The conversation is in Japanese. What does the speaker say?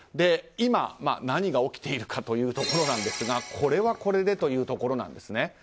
今何が起きているかというとこれはこれでというところなんですね。